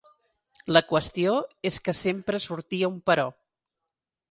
La qüestió és que sempre sortia un però.